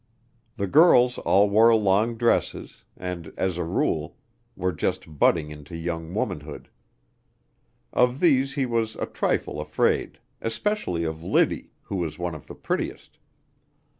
The girls all wore long dresses, and, as a rule, were just budding into young womanhood. Of these he was a trifle afraid, especially of Liddy, who was one of the prettiest.